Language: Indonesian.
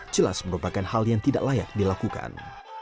jelas merupakan hal yang tidak layak dilakukan